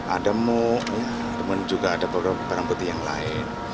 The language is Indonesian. ada muk kemudian juga ada beberapa barang bukti yang lain